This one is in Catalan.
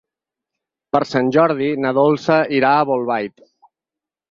Per Sant Jordi na Dolça irà a Bolbait.